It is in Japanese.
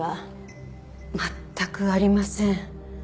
全くありません。